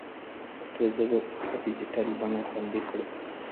پښتو ژبه په ډیجیټل بڼه خوندي کړئ.